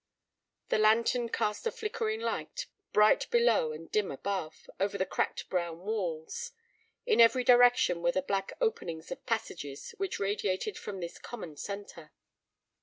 The lantern cast a flickering light, bright below and dim above, over the cracked brown walls. In every direction were the black openings of passages which radiated from this common centre.